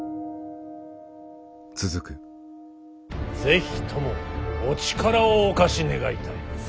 是非ともお力をお貸し願いたい。